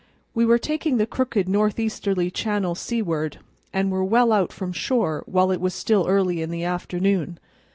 We were taking the crooked northeasterly channel seaward, and were well out from shore while it was still early in the afternoon.